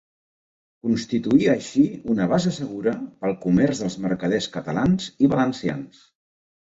Constituïa així una base segura pel comerç dels mercaders catalans i valencians.